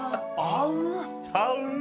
合う。